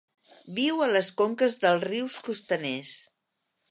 Viu a les conques dels rius costaners.